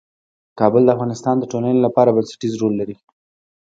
کابل د افغانستان د ټولنې لپاره بنسټيز رول لري.